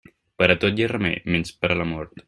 Per a tot hi ha remei, menys per a la mort.